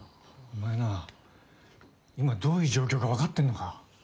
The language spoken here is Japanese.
お前なぁ今どういう状況か分かってんのか？